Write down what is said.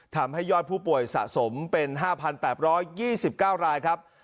ทำให้ยอดผู้ป่วยสะสมเป็น๕๘๒๙รายครับ